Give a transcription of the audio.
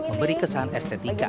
di kesan estetika